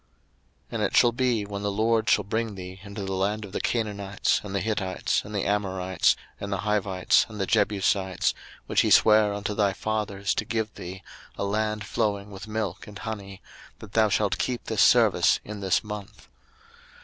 02:013:005 And it shall be when the LORD shall bring thee into the land of the Canaanites, and the Hittites, and the Amorites, and the Hivites, and the Jebusites, which he sware unto thy fathers to give thee, a land flowing with milk and honey, that thou shalt keep this service in this month.